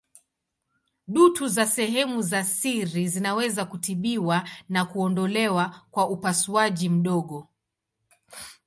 Dutu za sehemu za siri zinaweza kutibiwa na kuondolewa kwa upasuaji mdogo.